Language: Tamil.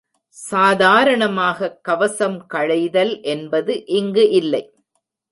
சாதாரணமாகக் கவசம் களைதல் என்பது இங்கு இல்லை.